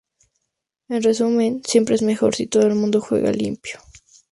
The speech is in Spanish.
En resumen, siempre es mejor si todo el mundo "juega limpio".